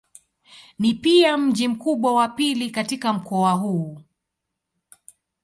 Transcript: Ni pia mji mkubwa wa pili katika mkoa huu.